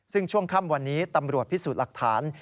ซึ่งช่วงค่ำวันนี้ตำรวจพิสูจน์หลักฐาน